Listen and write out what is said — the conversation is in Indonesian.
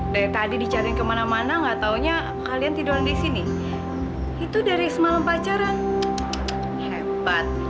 dari tadi dicari kemana mana gak taunya kalian tiduran di sini itu dari semalam pacaran hebat